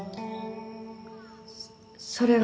それは。